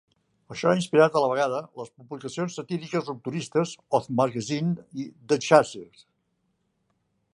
Això ha inspirat, a la vegada, les publicacions satíriques rupturistes "Oz Magazine" i "The Chaser".